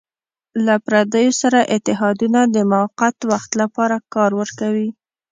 له پردیو سره اتحادونه د موقت وخت لپاره کار ورکوي.